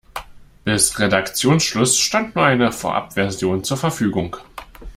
Bis Redaktionsschluss stand nur eine Vorabversion zur Verfügung.